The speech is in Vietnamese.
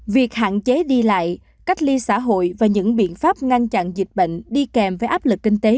việc hạn chế đi lại cách ly xã hội và những biện pháp ngăn chặn dịch bệnh đi kèm với áp lực kinh tế